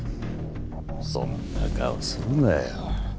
そんな顔するなよ。